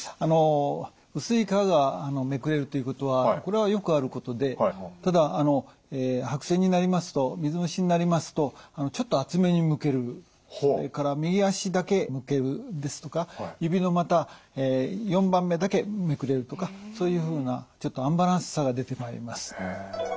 薄い皮がめくれるっていうことはこれはよくあることでただ白癬になりますと水虫になりますとちょっと厚めにむけるそれから右足だけむけるですとか指のまた４番目だけめくれるとかそういうふうなちょっとアンバランスさが出てまいります。